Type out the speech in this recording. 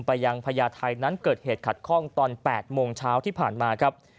ยังพญาไทยนั้นเกิดเหตุขัดข้องตอน๘โมงเช้าที่ผ่านมาครับ